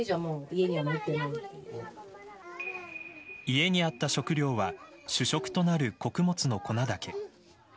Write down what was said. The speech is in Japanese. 家にあった食料は主食となる穀物の粉だけ。